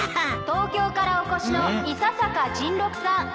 東京からお越しの伊佐坂甚六さん。